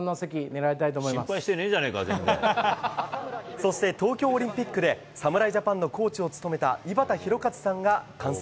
そして東京オリンピックで侍ジャパンのコーチを務めた井端弘和さんが観戦。